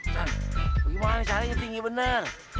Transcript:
nah bagaimana caranya tinggi benar